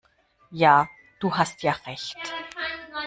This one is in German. Ja, du hast ja Recht!